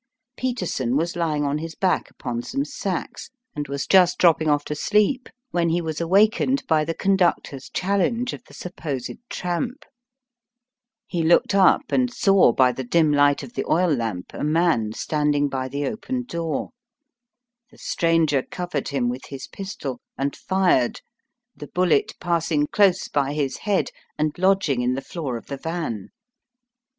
Peterson was lying on his back upon some sacks, and was just dropping off to sleep when he was awakened by the conductor's challenge of the supposed tramp. He looked up and saw by the dim light of the Digitized by VjOOQIC LIFE AND DEATH IN THE FAB WEST. 63 oil lamp a man standing by the open door. The stranger covered him with his pistol, and fired, the bullet passing close by his head and lodging in the floor of the van.